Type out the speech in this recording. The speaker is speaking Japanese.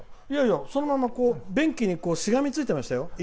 そのまま便器にしがみついてましたよ。